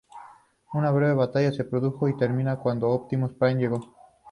Una breve batalla se produjo, y termina cuando Optimus Prime llegó.